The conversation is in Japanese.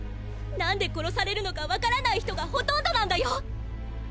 何で殺されるのかわからない人がほとんどなんだよ